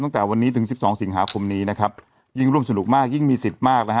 ตั้งแต่วันนี้ถึงสิบสองสิงหาคมนี้นะครับยิ่งร่วมสนุกมากยิ่งมีสิทธิ์มากนะฮะ